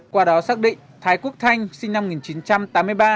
qua đó xác định thái quốc thanh sinh năm một nghìn chín trăm tám mươi ba